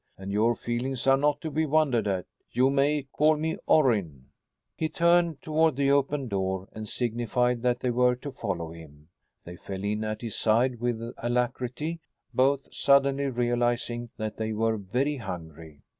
And your feelings are not to be wondered at. You may call me Orrin." He turned toward the open door and signified that they were to follow him. They fell in at his side with alacrity, both suddenly realizing that they were very hungry.